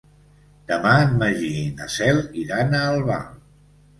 Demà en Magí i na Cel iran a Albal.